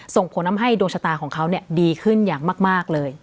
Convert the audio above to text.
ส่งผลทำให้ดวงชะตาของเขาดีขึ้นอย่างมากเลย